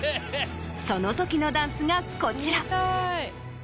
その時のダンスがこちら。